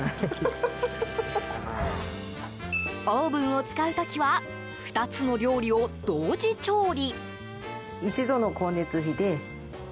オーブンを使う時は２つの料理を同時調理。